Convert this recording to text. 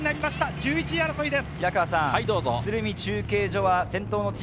１１位争いです。